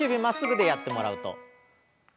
まっすぐでやってもらうと。